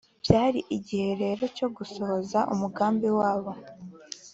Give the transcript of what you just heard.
byari igihe rero cyo gusohoza umugambi wabo